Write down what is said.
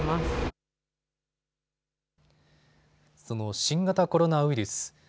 その新型コロナウイルス。